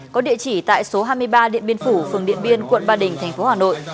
có địa chỉ tại số hai mươi ba điện biên phủ phường điện biên quận ba đình thành phố hà nội